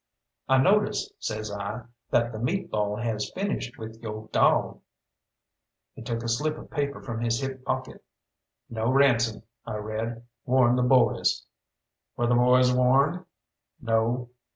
"I notice," says I, "that the meat ball has finished with yo' dawg." He took a slip of paper from his hip pocket. "No ransom," I read. "Warn the boys." "Were the boys warned?" "No."